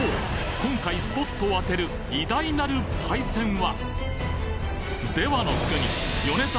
今回スポットをあてる偉大なるパイセンは！